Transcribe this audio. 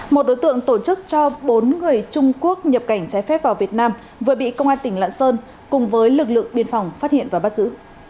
một đối tượng tổ chức cho bốn người trung quốc nhập cảnh trái phép vào việt nam vừa bị công an tỉnh lạng sơn cùng với lực lượng biên phòng phát hiện và bắt giữ